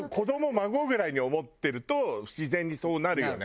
孫ぐらいに思ってると自然にそうなるよね。